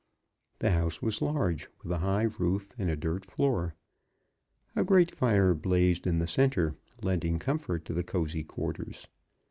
The house was large, with a high roof and a dirt floor. A great fire blazed in the center, lending comfort to the cozy quarters.